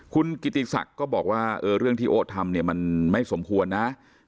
คุณกิติศักดิ์ก็บอกว่าเรื่องที่โอ๊ตทำเนี่ยมันไม่สมควรนะ